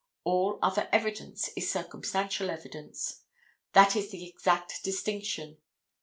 All other evidence is circumstantial evidence. That is the exact distinction.